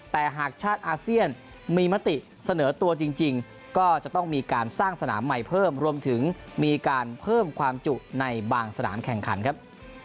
แต่หากชาติอาเซียนมีมติเสนอตัวจริงก็จะต้องมีการสร้างสนามใหม่เพิ่มรวมถึงมีการเพิ่มความจุในบางสนามแข่งขันครับ